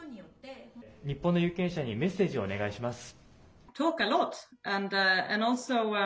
日本の有権者にメッセージをお願いします。